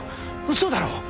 嘘だろ。